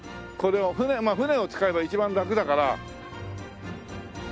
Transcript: これを船船を使えば一番楽だから。